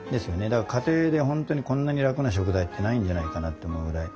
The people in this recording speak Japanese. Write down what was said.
だから家庭で本当にこんなに楽な食材ってないんじゃないかなって思うぐらい。